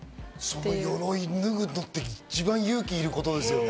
その鎧を脱ぐのって一番勇気がいることですよね。